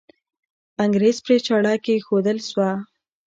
انګریز پرې چاړه کښېښودل سوه.